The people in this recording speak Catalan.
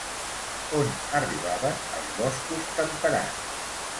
On arribaven els boscos temperats?